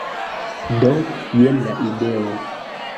Do, jen la ideo